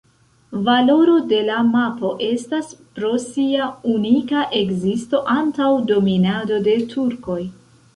Valoro de la mapo estas pro sia unika ekzisto antaŭ dominado de turkoj.